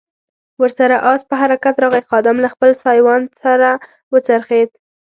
ور سره آس په حرکت راغی، خادم له خپل سایوان سره و څرخېد.